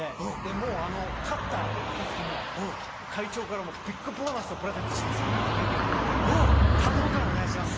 もうあの「勝った暁には会長からビッグボーナスをプレゼントします」みたいなげきを入れて「頼むからお願いします